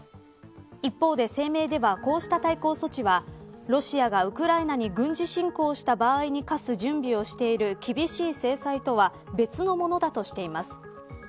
一方で声明ではこうした対抗措置はロシアがウクライナに軍事侵攻した場合に科す準備をしている厳しい制裁とは別のものだとしています。